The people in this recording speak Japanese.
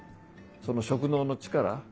その職能の力